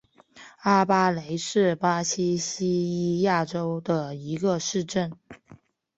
阿巴雷是巴西巴伊亚州的一个市镇。